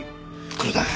これだ！